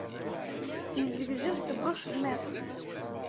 Yezzegzew seg usemmiḍ.